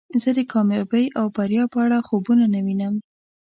زه د کامیابۍ او بریا په اړه خوبونه نه وینم.